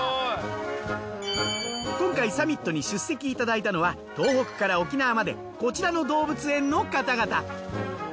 今回サミットに出席いただいたのは東北から沖縄までこちらの動物園の方々。